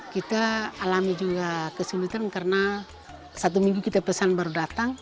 kita alami juga kesulitan karena satu minggu kita pesan baru datang